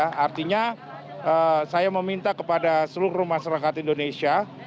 artinya saya meminta kepada seluruh masyarakat indonesia